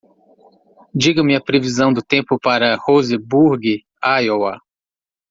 Diga-me a previsão do tempo para Roseburg? Iowa